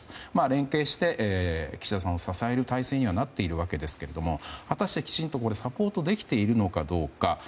連携して岸田さんを支える体制になっているんですが果たしてきちんとサポートできているのかどうか。